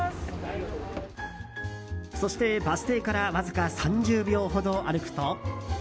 そしてバス停からわず３０秒ほど歩くと。